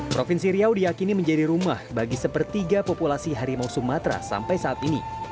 provinsi riau diakini menjadi rumah bagi sepertiga populasi harimau sumatera sampai saat ini